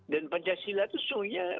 dan pancasila itu seharusnya